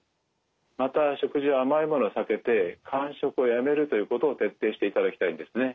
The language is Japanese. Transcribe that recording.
また食事は甘いものを避けて間食をやめるということを徹底していただきたいんですね。